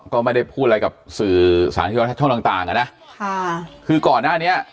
ก็ไม่ได้พูดอะไรกับสื่อสามารถช่องต่างนะคือก่อนหน้านี้